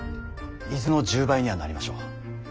伊豆の１０倍にはなりましょう。